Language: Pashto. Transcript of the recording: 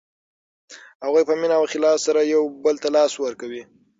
هغوی په مینه او اخلاص سره یو بل ته لاس ورکوي.